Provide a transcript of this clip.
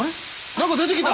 何か出てきた！